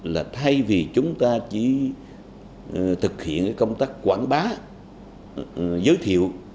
là thay vì chúng ta chỉ thực hiện công tác quảng bá giới thiệu